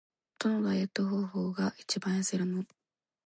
どのダイエット方法が一番痩せるの？